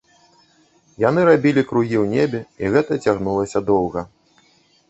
Яны рабілі кругі ў небе, і гэта цягнулася доўга.